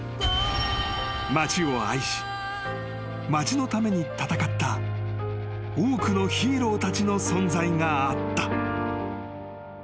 ［街を愛し街のために戦った多くのヒーローたちの存在があった］